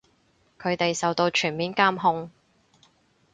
佢哋受到全面監控